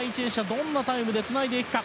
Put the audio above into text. どんなタイムでつないでいくか。